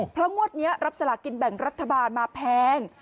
เพราะงวดนี้รับสลากินแบ่งรัฐบาลมาแพง